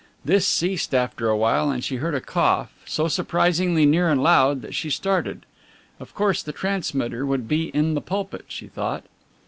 This ceased after awhile and she heard a cough, so surprisingly near and loud that she started. Of course, the transmitter would be in the pulpit, she thought.